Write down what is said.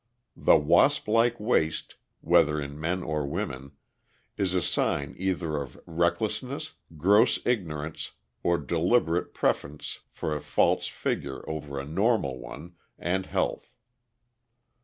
The wasp like waist, whether in men or women, is a sign either of recklessness, gross ignorance, or deliberate preference for a false figure over a normal one and health.